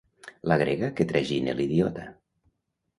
La grega que tragina l'idiota.